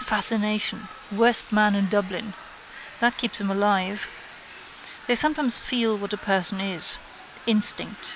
Fascination. Worst man in Dublin. That keeps him alive. They sometimes feel what a person is. Instinct.